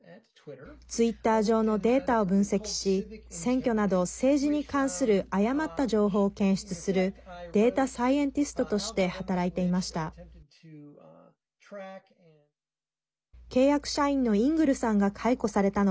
ツイッター上のデータを分析し選挙など政治に関する誤った情報を検出するデータサイエンティストとして働いていました。